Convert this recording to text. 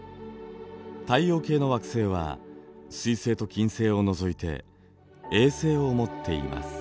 太陽系の惑星は水星と金星を除いて衛星を持っています。